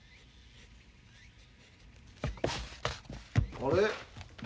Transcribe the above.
あれ？